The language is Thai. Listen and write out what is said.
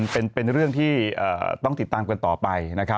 เป็นเรื่องที่ต้องติดตามกันต่อไปนะครับ